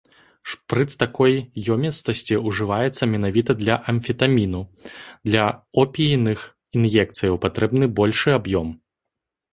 Шпрыц такой ёмістасці ўжываецца менавіта для амфетаміну, для опійных ін'екцыяў патрэбны большы аб'ём.